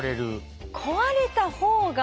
壊れた方が。